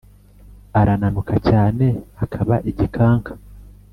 arananuka cyane akaba igikanka,